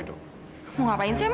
oh udah patter